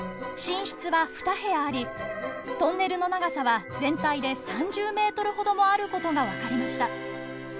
寝室は２部屋ありトンネルの長さは全体で３０メートルほどもあることが分かりました。